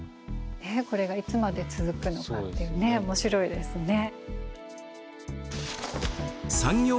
ねえこれがいつまで続くのかっていうね面白いですね。